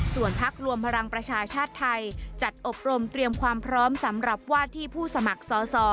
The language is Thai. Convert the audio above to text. ส่วนพักรวมพลังประชาชาติไทยจัดอบรมเตรียมความพร้อมสำหรับวาดที่ผู้สมัครสอสอ